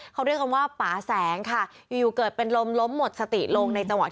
เขาเรียกกันว่าป่าแสงค่ะอยู่อยู่เกิดเป็นลมล้มหมดสติลงในจังหวะ